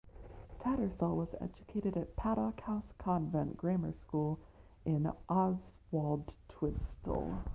Tattersall was educated at Paddock House Convent Grammar School in Oswaldtwistle.